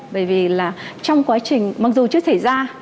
bởi vì trong quá trình mặc dù chưa thể ra